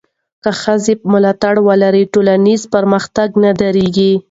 که ښځې ملاتړ ولري، ټولنیز پرمختګ نه درېږي.